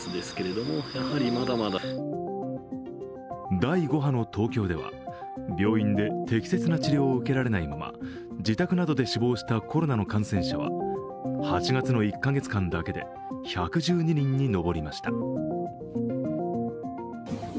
第５波の東京では病院で適切な治療を受けられないまま自宅などで死亡したコロナの感染者は８月の１カ月間だけで１１２人に上りました。